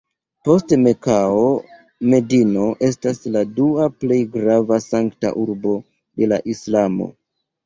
Post Mekao, Medino estas la dua plej grava Sankta Urbo de la islamo.